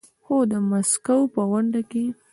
خو د ماسکو په غونډه کې